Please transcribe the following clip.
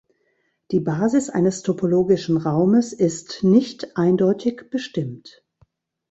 Die Basis eines topologischen Raumes ist nicht eindeutig bestimmt.